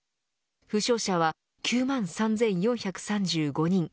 負傷者は９万３４３５人。